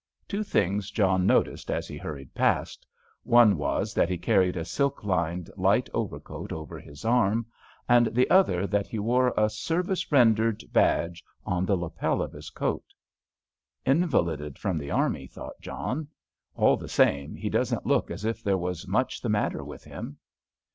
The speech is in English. Two things John noticed as he hurried past; one was that he carried a silk lined light overcoat over his arm, and the other that he wore a "service rendered" badge on the lapel of his coat. "Invalided from the army," thought John. "All the same, he doesn't look as if there was much the matter with him."